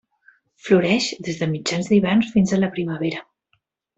Floreix des de mitjans d'hivern fins a la primavera.